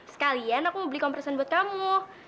sekalian aku mau beli comperson buat kamu